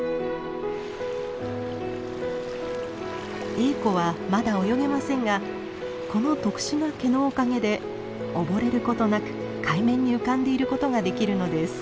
エーコはまだ泳げませんがこの特殊な毛のおかげでおぼれることなく海面に浮かんでいることができるのです。